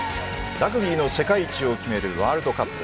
ラグビーの世界一を決めるワールドカップ。